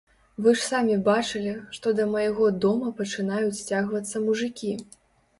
Вы ж самі бачылі, што да майго дома пачынаюць сцягвацца мужыкі.